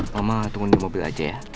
mama tunggu di mobil aja ya